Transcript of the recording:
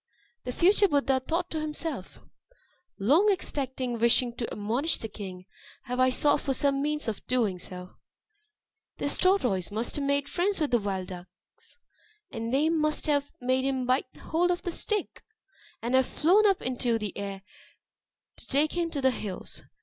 The future Buddha thought to himself, "Long expecting, wishing to admonish the king, have I sought for some means of doing so. This tortoise must have made friends with the wild ducks; and they must have made him bite hold of the stick, and have flown up into the air to take him to the hills.